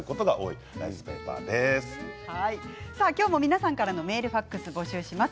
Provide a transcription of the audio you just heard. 今日も皆さんからのメール、ファックスを募集します。